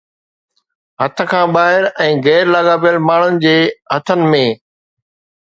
هٿ کان ٻاهر ۽ غير لاڳاپيل ماڻهن جي هٿن ۾